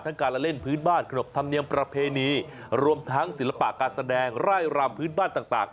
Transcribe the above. การละเล่นพื้นบ้านขนบธรรมเนียมประเพณีรวมทั้งศิลปะการแสดงไร่รำพื้นบ้านต่าง